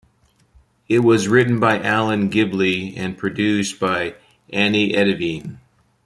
It was written by Alan Gilbey, and produced by Anne Edyvean.